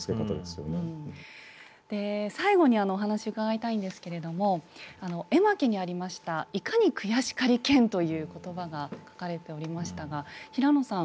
最後にお話伺いたいんですけれども絵巻にありましたという言葉が書かれておりましたが平野さん